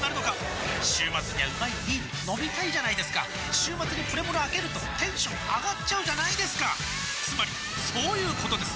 週末にはうまいビール飲みたいじゃないですか週末にプレモルあけるとテンション上がっちゃうじゃないですかつまりそういうことです！